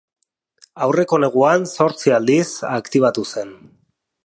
Aurreko neguan zortzi aldiz aktibatu zen.